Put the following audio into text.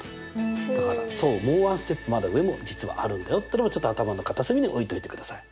だからそうもうワンステップまだ上も実はあるんだよっていうのもちょっと頭の片隅に置いといてください。